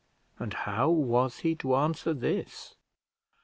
And how was he to answer this?